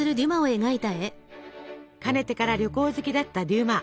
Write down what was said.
かねてから旅行好きだったデュマ。